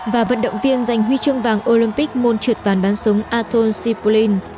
và vận động viên giành huy chương vàng olympic môn trượt vàng bán súng aton sipulin